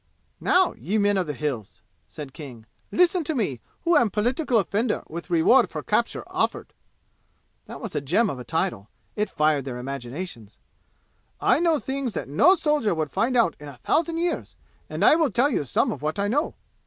"Now, ye men of the Hills," said King, "listen to me who am political offender with reward for capture offered!" That was a gem of a title. It fired their imaginations. "I know things that no soldier would find out in a thousand years, and I will tell you some of what I know."